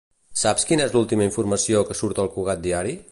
Saps quina és l'última informació que surt al "Cugat Diari"?